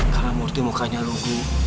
kalau murti mukanya lugu